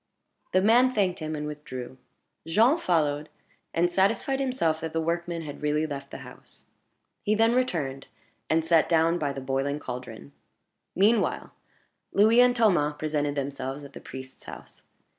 The man thanked him, and withdrew. Jean followed, and satisfied himself that the workman had really left the house. He then returned, and sat down by the boiling caldron. Meanwhile Louis and Thomas presented themselves at the priest's house.